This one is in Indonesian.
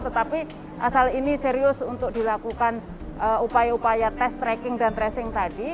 tetapi asal ini serius untuk dilakukan upaya upaya tes tracking dan tracing tadi